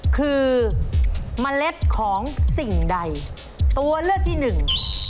คือเมล็ดของสิ่งใดตัวเลือกที่หนึ่ง